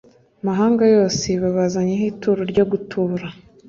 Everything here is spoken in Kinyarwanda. mahanga yose babazanye ho ituro ryo gutura